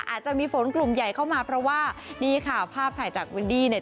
อาจจะมีฝนกลุ่มใหญ่เข้ามาเพราะว่านี่ค่ะภาพถ่ายจากวินดี้เนี่ย